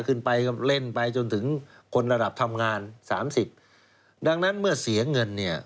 ขึ้นไปก็เล่นไปจนถึงคนระดับทำงานสามสิบดังนั้นเมื่อเสียเงินเนี่ย